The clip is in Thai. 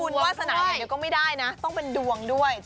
อย่างนี้ก็ไม่ได้นะต้องเป็นดวงด้วย